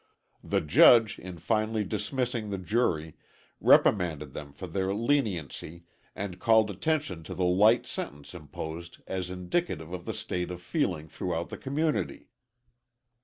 The judge, in finally dismissing the jury, reprimanded them for their leniency, and called attention to the light sentence imposed as indicative of the state of feeling throughout the community.